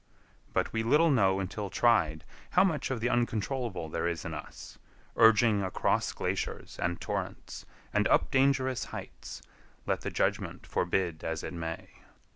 But we little know until tried how much of the uncontrollable there is in us, urging across glaciers and torrents, and up dangerous heights, let the judgment forbid as it may.